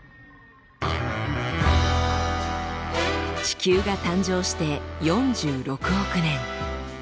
地球が誕生して４６億年。